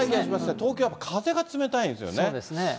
東京はやっぱ風が冷たいんですよね。